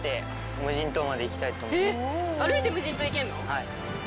はい。